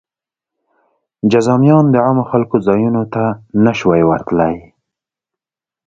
جذامیان د عامو خلکو ځایونو ته نه شوای ورتلی.